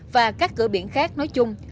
và các cửa biển khác nói chung